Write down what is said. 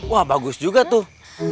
wah bagus juga tuh